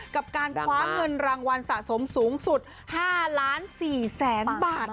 กับการคว้าเงินรางวัลสะสมสูงสุด๕ล้าน๔แสนบาท